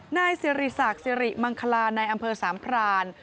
นายสิริศักดิ์สิริมังคลาในอำเภอสามพราน